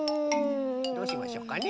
どうしましょうかね？